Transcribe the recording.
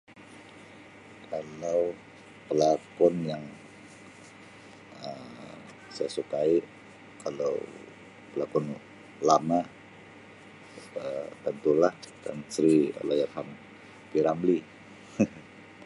Kalau pelakon yang Um saya sukai kalau pelakon lama Um tentulah Tan Sri Allahyarham P.Ramlee.